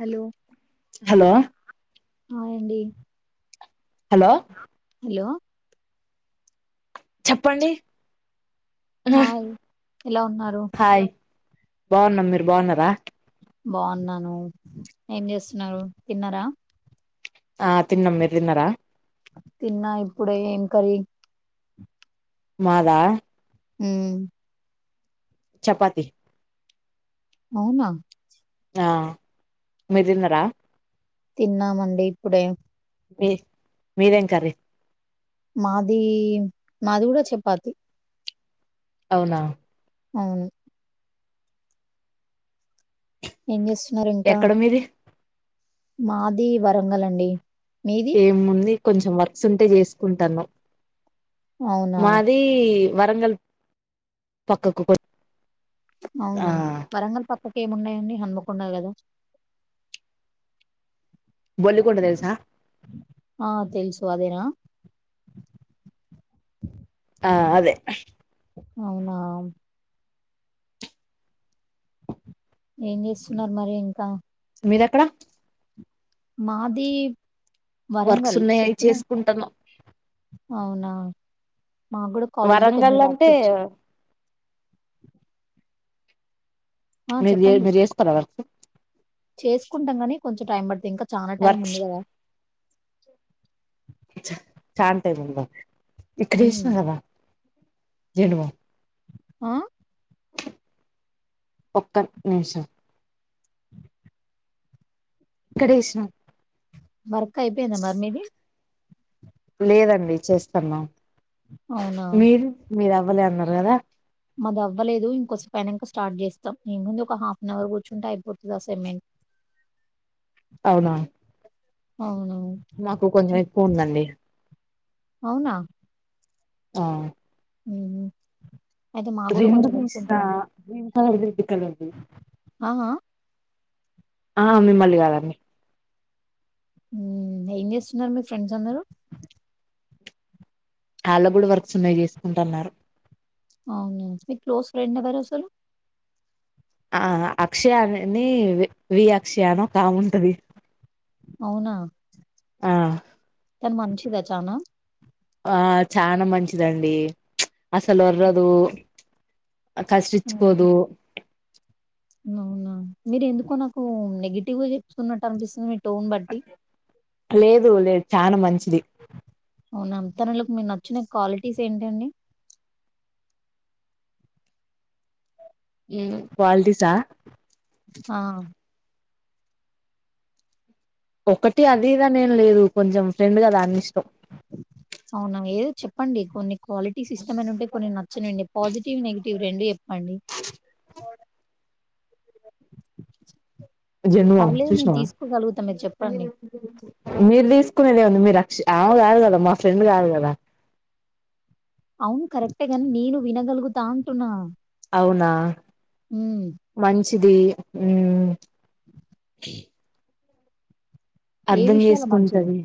Hello hello hi అండి hello hello చెప్పండి hi ఎలా ఉన్నారు హాయ్ బాగున్నాం మీరు బాగున్నారా బాగున్నాను ఏం చేస్తున్నారు తిన్నారా ఆ తిన్నాం మీరు తిన్నారా తిన్నా ఇప్పుడే ఏం కర్రి మాదా ఉ చపాతి అవునా ఆ మీరు తిన్నరా తిన్నామండి ఇప్పుడే మీ మీరేం కర్రి మాది మాది కూడా చపాతి అవునా అవును ఏం చేస్ ఎక్కడ మీది మాది వరంగల్ అండి మీది ఏముంది కొంచెం వర్క్స్ ఉంటే చేసుకుంటన్నాం అవునా మాది వరంగల్ పక్కకు కొ ఆ అవునా వరంగల్ పక్కకి ఏమున్నాయండి హన్మకుండా కదా బొల్లికొండ తెలుసా ఆ తెలుసు అదేనా ఆ అదే అవునా ఏం చేస్తున్నారు మరి ఇంకా మీరెక్కడ మాది వర్క్స్ వరంగల్ ఉన్నాయి చెప్పిన చేసుకుంటాను అవునా మా కూడా కాలేజ్ లో కొంచెం వరంగల్ వర్క్ అంటే ఇచ్చు మీరు మీరు చేసుకోరా వర్కు చేసుకుంటాం గాని కొంచెం టైం పడితే ఇంకా చానా టైమ్ వర్క్స్ ఉంది కదా చా చార్ తో తినదు ఉంద ఇక్కడ ఉమ్ ఏసిన కదా జండు బామ్ ఆ ఒక్క నిమిషం ఇక్కడే ఇసినాం బర్కా అయిపోయింద మరి మీది లేదండి చేస్తున్నావ్ అవునా మీరు మీది అవ్వలే అన్నారు కదా మాది అవ్వలేదు ఇంకోస పైనంక స్టార్ట్ చేస్తాం ఏ ముంది ఒక హాఫ్ అన్ అవర్ కూర్చుంటే అయిపోతది ఆసై మెంట్ అవునా అవును మాకు కొంచెం ఎక్కువ ఉందండి అవునా ఆ అ రెండు తీస్తా గ్రీన్ కలర్ రెడ్ కలర్ది ఆ ఆ ఆ మిమ్మల్ని కాదండి ఏం చేస్తున్నారు మీ ఫ్రెండ్స్ అందరూ వాళ్ళ కూడా వర్క్స్ ఉన్నాయి చేసుకుంటున్నారు అవును మీ క్లోస్ ఫ్రెండ్ ఎవరు అసలు ఆ అక్షయాని అని వి అక్షయానో కామే ఉంటది అవునా ఆ అంటే మంచిద చానా ఆ చానా మంచిదండి అసలు ఓర్రదు కసిరిచ్చి అవునా కోదు అవునా మీరు ఎందుకో నాకు నెగిటివ్ గా చెప్తున్నట్టు అనిపిస్తుంది మీ టోన్ బడ్టి దు లేదు చానా మంచిది అవునా తనలోకి మీకు నచ్చిన క్వాలిటీస్ ఏంటండి ఉ క్వాలిటీసా ఆ ఒకటి అది ఇది అని ఏం లేదు కొంచెం ఫ్రెండ్ కదా అన్ని ఇష్టం అవునా ఏదో చెప్పండి కొన్ని క్వాలిటీస్ ఇస్టమని ఉంటె కొన్ని నచ్చవుండే పాజిటివ్ నెగిటివ్ రెండు చెప్పండి పర్లేదు నేను తీసుకోగలుగుతా మీరు చెప్పండి. మీరు తీస్ కునే ఏముంది మీరు అక్ష ఆమె కాదు కదా మా ఫ్రెండ్ కాదు కదా అవును కరెక్టేగాని నేను వినగలుగుతా అంటున్నా అవునా హ్మ్. మం చిది ఉహ్ ఏ అర్ధం విషయాలో మంచిది? చేసుకుంటది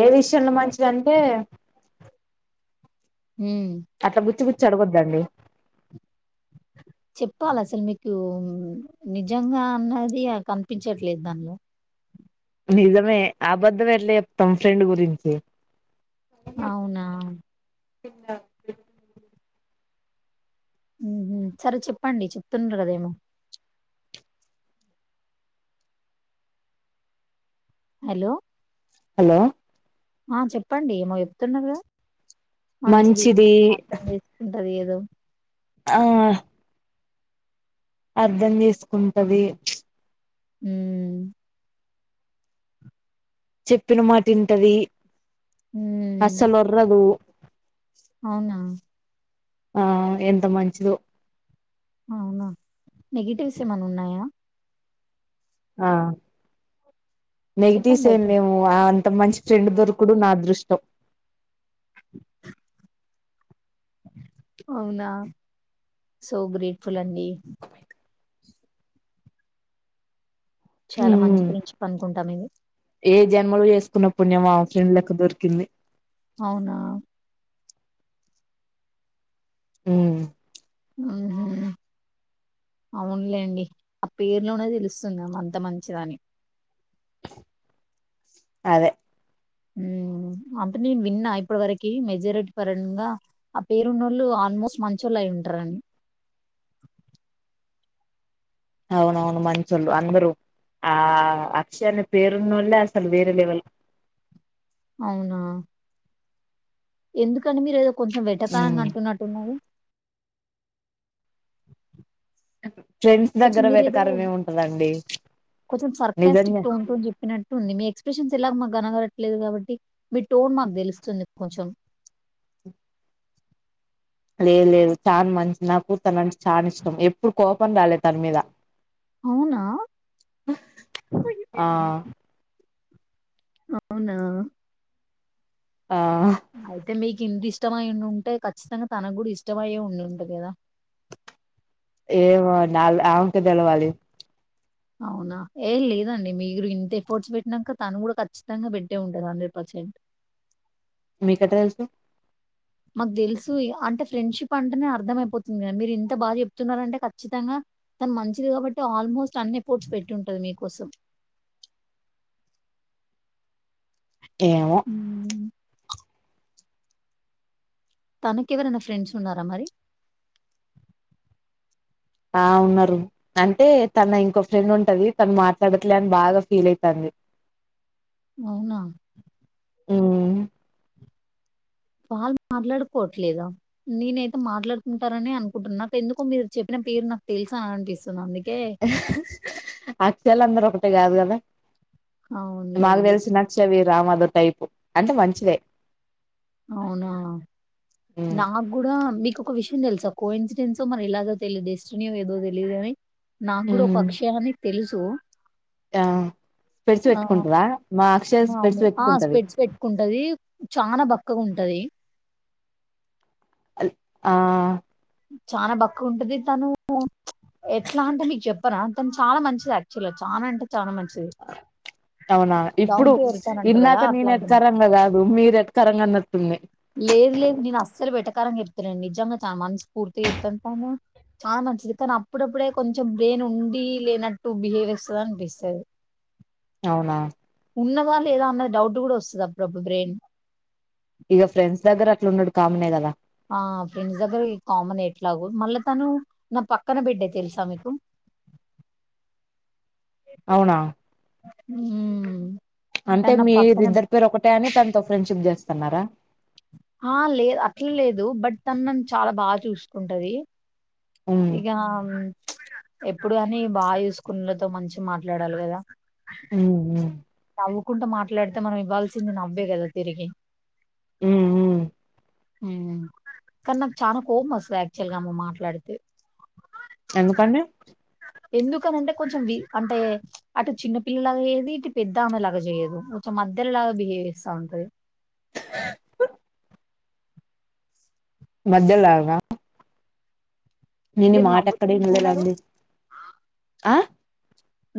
ఏ విషయంలో మంచిది అంటే హు చెడగోద్దండి చెప్పాలి అసలు మీకు నిజంగా అన్నది కనిపించట్లేదు దానిలో నిజమే అబద్ధం ఎట్ల చెప్ తాం ఫ్రెండ్ గురించి అవునా పిన్న ద్దు ఉహు సరే చెప్పండి చెప్తున్నారు కదేమో హలో హలో ఆ చెప్పండి ఏమో చెప్తున్నారు కదా మంచిది అర్థం చేసుకుంటది ఏ హలో ఆ అర్ధం చేసుకుంటది ఉహ్ చెప్పిన మాట ఇంటది హ్మ్ అస్సలు ఉర్రాదూ అవునా ఆ ఎంత మంచిదో అవునా నెగిటివ్స్ ఏమైనా ఉన్నాయా ఆ నెగిటివ్స్ చెప్పండి ఏం అయితే లెవ్వు ఆ అంత మంచి ఫ్రెండ్ దొరకుడు నా దృష్టం అవునా సో గ్రేట్ఫుల్ అండి చాలా మంచి మ్మ్ ఫ్రెండ్షిప్ అనుకుంట మీది ఏ జన్మలో చేసుకున్న పుణ్యమో ఆమా ఫ్రెండ్ లెక్క దొరికింది అవునా హ్మ్ ఉహు అవునులేండి ఆ పేర్లోనే తెలుస్తుంది ఆమంత మంచిదని అదే ఉహ్ అంటె నేను విన్నా ఇప్పటి వరకి మెజారిటీ పరంగా ఆ పేరున్నోళ్ళు ఆల్మోస్ట్ మంచిళ్ళు అయి ఉంటారని అవునవును మంచొల్లూ అందరు ఆ అక్షర పేరున్నోల్లే అసలు వేరే లెవల్ అవునా ఎందుకండి మీరు ఏదో కొంచెం వెటకారంగా ఉమ్ అంటున్నట్టున్నారు ఫ్రెండ్స్ కొంచెం దగ్గర మీరు ఏదో వెటకారం ఏం ఉంటదండి కొంచెం సర్కాస్టిక్ నిజంగా టోన్ తోన్ చెప్పినట్టు ఉంది మీ ఎక్స్ప్రెషన్స్ ఎలాగో మాక్ కనగడట్లేదు కాబట్టి మీ టోన్ మాకు తెలుస్తుంది కొంచెం లేదు లేదు చానా మంచి నాకు తన అంటే చాలా ఇష్టం ఎప్పుడు కోపం రాలేదు తన మీద అవునా? ఆ అవునా ఆహ్ అయితే మీకు ఇంత ఇష్టమై ఉంటే ఖచ్చితంగా తనకు కూడా ఇష్టమయే ఉండింటంది కదా ఏమో నాల్ ఆవకే తెలవాలి అవునా ఏ లేదండి మీరు ఇంత ఎఫోర్ట్స్ పెట్టినంక తను కూడా ఖచ్చితంగా పెట్టే ఉంటది హండ్రెడ్ పర్స్ చే మీకు ఎట్లా తెలుసు మాకు తెలుసు అంటే ఫ్రెండ్షిప్ అంటేనే అర్థమయిపోతుంది కదా మీరు ఇంత బాగా చెప్తున్నారంటే ఖచ్చితంగా తను మంచిది కాబట్టి ఆల్మోస్ట్ అన్ని ఎఫ్ఫోర్ట్స్ పెట్టి ఉంటది మీకోసం ఏమో హ్మ్. తనకెవరైనా ఫ్రెండ్స్ ఉన్నారా మరి ఆ ఉన్నారు అంటే తన ఇంకో ఫ్రెండ్ ఉంటది తను మాట్లాడట్లే అని బాగా ఫీల్ అయితంది అవునా ఉహ్ వాళ్ళు మాట్లాడుకోవట్లేదా నేనైతే మాట్లాడుకుంటారని అనుకుంటున్నా అక్క ఎందుకో మీరు చెప్పిన తీరు నాక్ తెలుసా ఆంటీస్ ఆహ్ అక్షలు అందరూ ఒకటే కాదు కదా మాకు అవునులేండి. తెలిసిన అక్షయ వేరు ఆమె అదో టైపు అంటే మంచిదే అవునా నాకు కూడా మీ నీకు ఒక విషయం తెలుసా కో ఇన్సిడెన్స్ మరి ఎలాగో తెయదు డెస్టినియో ఏదో తెలీయదు అని నా కూడా ఒక అక్షయాని తెలుసు డా స్పెడ్స్ ఆ! పెట్టుకుంటంద మా అక్షయ స్పెడ్స్ అవును పెట్టుకుంటది స్పెడ్స్ పెట్టుకుంటది, చనా బక్కగా ఉంటది. ఆ చానా బక్కగా ఉంటది. తను ఎట్లా అంటే మీకు చెప్పార తను చాలా మంచిది యాక్చువల్గా చాలా అంటే చాలా మంచిది. అవునా డౌన్ ఇప్పుడు టు ఎర్త్ అని అంటారు ఇన్నాక గదా! నేను అట్లాంటి ఎట్కరంగా కాదు మీరు ఎట్కరంగా అన్నటుంది. లేదు లేదు నేను అస్సలు వేట్టకారంగా చెప్తలేను నిజంగా చాలా మనస్ఫూర్తి చెప్తానా తను ఆ నాకు కీర్తన కానీ అప్పుడప్పుడే కొంచెం బ్రెయిన్ ఉండి లేనట్టు బిహేవ్ చేస్తది అనిపిస్తాది. [unintelligible] అవునా ఉన్నదా లేదా అన్న డౌట్ కూడా వస్తాది అప్పుడప్పుడు బ్రెయిన్, ఇగా ఫ్రెండ్స్ దగ్గర అట్లా ఉండుడు కామనే కదా ఆ ఫ్రెండ్స్ దగ్గర కామన్ ఎట్లాగు మళ్ళా తను నా పక్కన బెడ్డే తెలుసా మీకు [unintelligible] అవునా ఊ అంటే మీరిద్దరు పేరు ఒకటే అని తనతో ఫ్రెండ్షిప్ చేస్తున్నారా, ఆ లేదు అట్లా లేదు బట్ తను నను చాలా బాగా చూసుకుంటది. ఉమ్ ఇక ఎప్పుడు అని బాగా చూసుకున్నలతో మంచి మాట్లాడాలి కదా ఉ ఉ నవ్వుకుంటూ మాట్లాడితే మనం ఇవ్వాల్సింది, నవ్వే కదా తిరిగి ఉ ఊ ఉ కానీ నాకు చనా కోమ్ వస్తుంది యాక్చువల్ గా అమె మాట్లాడితే, ఎందుకు అండీ ఎందుకనింటే కొంచెం వి అంటే అటు చిన్న పిల్లల గా చేయది పెద్దామెలాగా చేయ్యదు కొంచెం మధ్యలాగా బిహేవ్ చేస్తా ఉంటది. [unintelligible] మధ్యలాగా నేను ఈ మీరు మాట ఎక్కడే నవ్వుతున్నట్టున్నారు, వినలేదండి, ఆ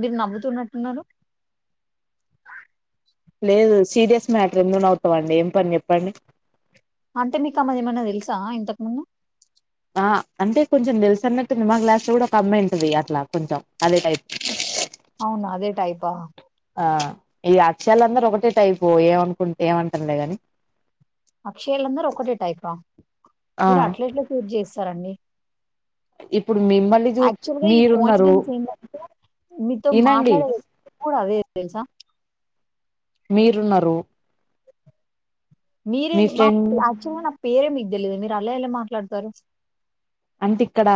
మీరు నవ్వుతున్నట్టున్నారు. లేదు సీరియస్ మ్యాటర్ ఎందుకు నావుతావండి ఏం పని చెప్పండి. అంటేమికు అమెది ఏమైనా తెలుసా ఇంతకు ముందు, ఆ అంటే కొంచెం తెలుసుసన్నట్టు మా క్లాస్ కూడా ఒక అమ్మాయి ఉంటది, అట్లా కొంచెం అదే టైప్ అవునా అదే టైపా ఆ ఈ అక్షలు అందరూ ఒకటే టైపు ఏమనుకుంటే ఏమంటారలే గాని అక్షయాలందరు ఒకటే టైపా ఆ మీరు అట్ల ఎట్లా ప్రూఫ్ చేస్తారండి. ఇప్పుడు మిమ్మల్ని యాక్చువల్‌గా ఈ మీరున్నారు. కోయిన్సిడెన్స్ ఏంటంటే మీతో వినండి మాట్లాడే కూడా అదే తెలుసా మీరున్నారు. మీరే మీ మా ఫ్రెండ్ యాక్చువల్ గా నా పేరే మీకు తెలియదు మీరు అలా ఎలా మాట్లాడతారు. అంటే ఇక్కడ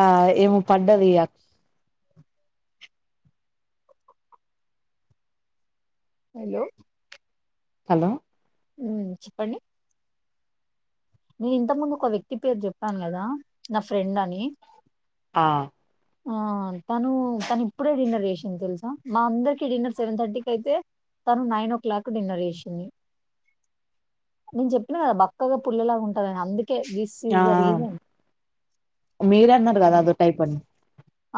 ఏమో పడ్డది. అ హలో హలో ఉ చెప్పండి నేను ఇంత ముందు ఒక వ్యక్తి పేరు చెప్పాను కదా నా ఫ్రెండ్ అని, ఆ ఆ తను తను ఇప్పుడే డిన్నర్ చేసింది తెలుసా. మా అందరికి డిన్నర్ సెవెన్ థర్టీకి అయితే తను నైన్ ఓ క్లాక్ డిన్నర్ చేసింది. నేను చెప్పినా కదా బక్కగా పుల్లలాగా ఉంటదని అందుకే ఇంకేస్ థిస్ ఇస్ ఆ ద రీసన్ మీరన్నారు ఉ కదా అదో టైప్ అని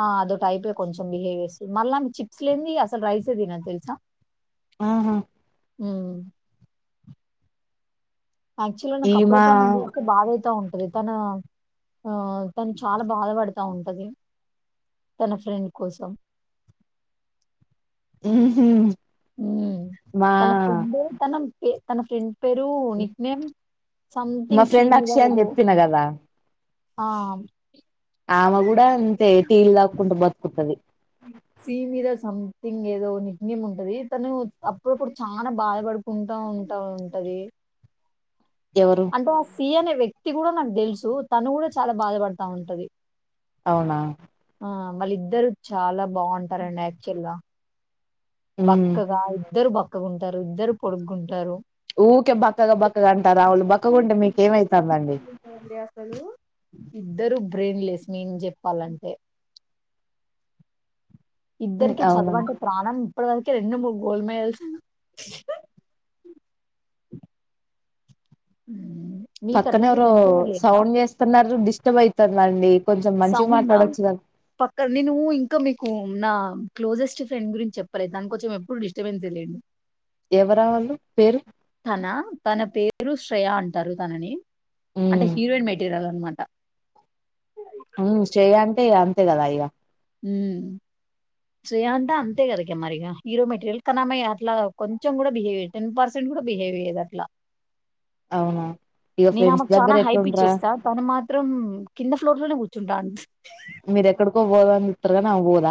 ఆ అదో టైపే కొంచెం బిహేవ్ చేస్తుంది. మళ్ళా చిప్స్ లేంది అసలు రైసే తినను తెలుసా. ఆహా ఊ యాక్టువల్ గా ఈ నాకు మా అప్పుడప్పుడ ఆమెను చూస్తే బాధ అయిత ఉంది. తన ఆ తను చాలా బాధపడుతా ఉంటది. తన ఫ్రెండ్ కోసం ఉహుమ్ ఉమ్ తన ఫ్రెండ్ తనకి తన ఫ్రెండ్ పేరు నిక్ నేమ్ మా సంతింగ్ సి ఫ్రెండ్ మీద అక్షయ అని ఏదో చెప్పిన కదా ఆ ఆమె కూడా అంతే టీలు తాక్కుంటూ బతుకుతుద్ది సి మీద సంథింగ్ ఏదో నిక్ నేమ్ ఉంటది. తను అప్పుడప్పుడు చాలా బాధపడుకుంటు ఉంటా ఉంటా ఉంటది. ఎవరు అంటే ఆ సి అనే వ్యక్తి కూడా నాకు తెలుసు. తను కూడా చాలా బాధపడతా ఉంటది. అవునా ఆ మళ్ళ ఇద్దరు చాలా బాగుంటారండి. యాక్చువల్ గా ఉమ్ బక్కగా ఇద్దరు బక్కకుంటారు. ఇద్దరు పొడుగుంటారు. ఊరికే బక్కగా బక్కగా అంటారు. ఆళు బక్కగుంటె మీకేమైతాందండి. వళ్ళు ఉ ఇద్దరు బ్రెయిన్ లెస్ మీనింగ్ చెప్పాలంటే ఉమ్ ఇద్దరికి అవునా చదువంటే ప్రాణం అప్పుడు వరకే రెండు మూడు గోల్డ్ మెడల్స్ పక్కన మీకట్లాంటి ఎవరు ఫ్రెండ్స్ లేరా? సౌండ్ చేస్తన్నారు. డిస్టర్బ్ అయితదండి. సౌండ్ పక్క నేను ఇంకా మీకు నా క్లోజెస్ట్ ఫ్రెండ్ గురించి చెప్పలేదు. దానికి కొంచెం ఎప్పుడు డిస్టబెన్స్ అండి. ఎవరావాళ్ళు పేరు తన తన పేరు స్ శ్రేయా అంటారు. తనని అంటే ఉమ్ హీరోయిన్ మెటీరియల్ అనమాట. అవును శ్రేయ అంటే అంతే కదా ఇక ఊ శ్రేయ అంటె అంతే కదక మరిగా హీరో మెటీరియల్ కాని అమ్మాయి అట్లా కొంచం కూడా బిహేవియర్ టెన్ పర్సెంట్ కూడా బిహేవ్ చేయదు అట్లా అవునా ఇగ నేను ఫ్రెండ్స్ ఆమెకు దగ్గర చాలా ఎట్లుంటరా హైపిచ్చేస్తా తను మాత్రం కింద ఫ్లోర్ లోనే కూర్చుంటాఆన్ మీరు ఎక్కడికో ఉంటరు కదా ఆమె పొద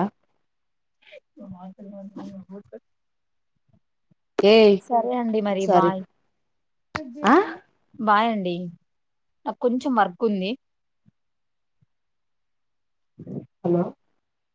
ఏయ్ సరే అండి మరి సారీ బాయ్ ఆ బాయ్ అండి ది నాకు కొంచెం వర్క్ ఉంది హలో